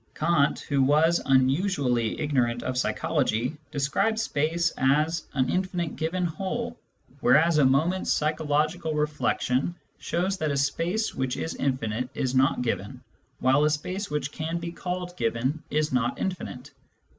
Kant, who was unusually ignorant of psychology, described space as " an infinite given whole," whereas a moment's psychological reflection shows that a space which is infinite is not given, while a space which can be called given is not infinite.